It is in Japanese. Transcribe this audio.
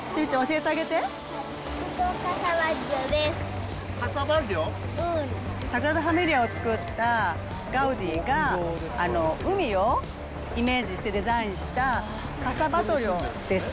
ここ、サグラダファミリアを作ったガウディが、海をイメージしてデザインしたカサ・バトリョです。